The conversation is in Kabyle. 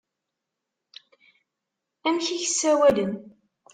Amek i k-ssawalen?